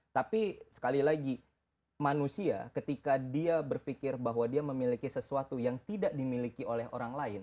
tapi sekali lagi manusia ketika dia berpikir bahwa dia memiliki sesuatu yang tidak dimiliki oleh orang lain